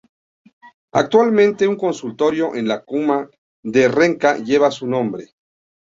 Actualmente, un consultorio en la comuna de Renca lleva su nombre.